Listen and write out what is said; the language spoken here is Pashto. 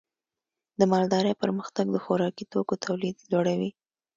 د مالدارۍ پرمختګ د خوراکي توکو تولید لوړوي.